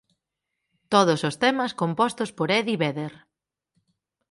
Todos os temas compostos por Eddie Vedder.